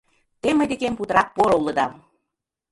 — Те мый декем путырак поро улыда!